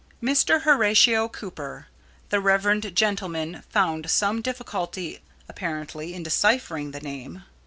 Mr. Horatio Copper the reverend gentleman found some difficulty, apparently, in deciphering the name.